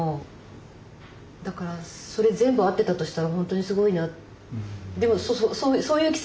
だからそれ全部合ってたとしたらほんとにすごいな。